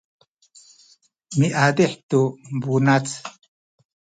miazih tu bunac